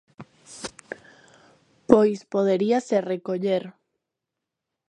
Pois poderíase recoller.